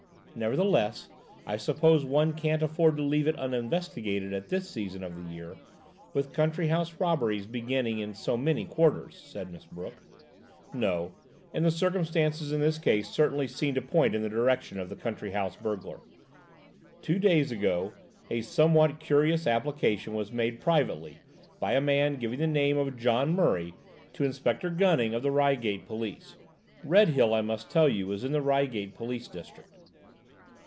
"Nevertheless, I suppose one can't afford to leave it uninvestigated at this season of the year, with country house robberies beginning in so many quarters," said Miss Brooke. "No; and the circumstances in this case certainly seem to point in the direction of the country house burglar. Two days ago a somewhat curious application was made privately, by a man giving the name of John Murray, to Inspector Gunning, of the Reigate police–Redhill, I must tell you is in the Reigate police district.